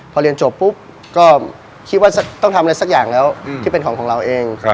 พอเรียนจบปุ๊บก็คิดว่าต้องทำอะไรสักอย่างแล้วที่เป็นของของเราเอง